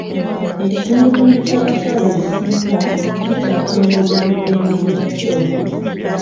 Ekitundutundu ky'abakyala ekisinga kikyatyoboolebwa eddembe lyakyo.